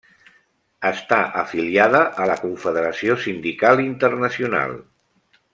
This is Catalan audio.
Està afiliada a la Confederació Sindical Internacional.